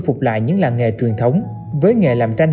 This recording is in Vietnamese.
phục lại những làng nghề truyền thống với nghề làm tranh